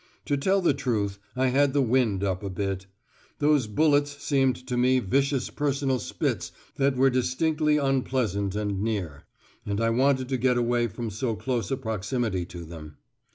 To tell the truth, I had the "wind up" a bit. Those bullets seemed to me vicious personal spits that were distinctly unpleasant and near; and I wanted to get away from so close a proximity to them.